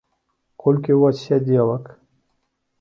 Колькі ў вас сядзелак?